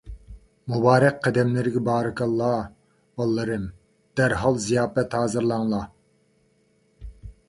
مۇبارەك قەدەملىرىگە بارىكاللاھ، بالىلىرىم، دەرھال زىياپەت ھازىرلاڭلار!